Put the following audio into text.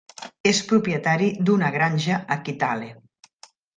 És propietari d'una granja a Kitale.